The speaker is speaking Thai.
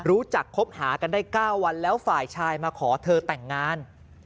คบหากันได้๙วันแล้วฝ่ายชายมาขอเธอแต่งงาน